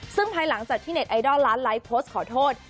ซึ่งภายหลังจากที่เน็ตไอดอลล้านไลฟ์โพสต์ขอโทษ